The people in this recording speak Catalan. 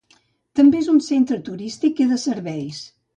També és un centre turístic i de serveis.